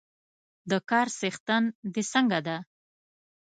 د کار څښتن د څنګه ده؟